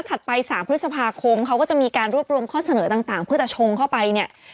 ไป๓พฤษภาคมเขาก็จะมีการรวบรวมข้อเสนอต่างเพื่อจะชงเข้าไปเนี่ย